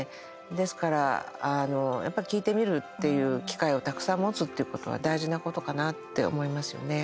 ですからやっぱ聴いてみるっていう機会をたくさん持つことは大事なことかなって思いますよね。